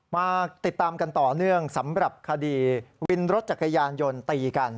มาติดตามกันต่อเนื่องสำหรับคดีวินรถจักรยานยนต์ตีกัน